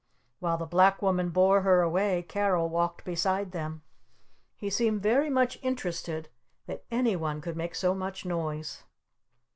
While the Black Woman bore her away Carol walked beside them. He seemed very much interested that any one could make so much noise.